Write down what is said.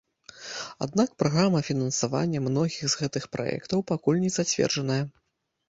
Аднак праграма фінансавання многіх з гэтых праектаў пакуль не зацверджаная.